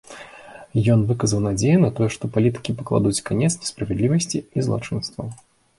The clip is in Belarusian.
Ён выказаў надзею на тое, што палітыкі пакладуць канец несправядлівасці і злачынстваў.